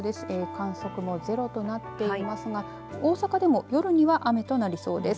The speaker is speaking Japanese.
観測もゼロとなっていますが大阪でも夜には雨となりそうです。